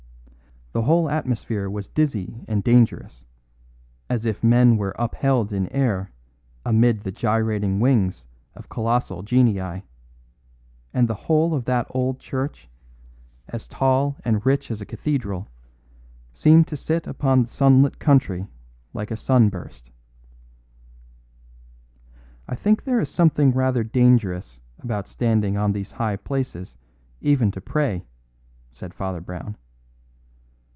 The whole atmosphere was dizzy and dangerous, as if men were upheld in air amid the gyrating wings of colossal genii; and the whole of that old church, as tall and rich as a cathedral, seemed to sit upon the sunlit country like a cloudburst. "I think there is something rather dangerous about standing on these high places even to pray," said Father Brown.